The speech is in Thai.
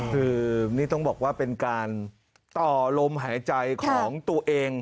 คือนี่ต้องบอกว่าเป็นการต่อลมหายใจของตัวเอง